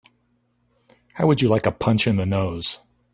How would you like a punch in the nose?